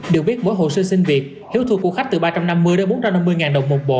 được biết mỗi hồ sơ sinh việc hiếu thuộc của khách từ ba trăm năm mươi bốn trăm năm mươi đồng một bộ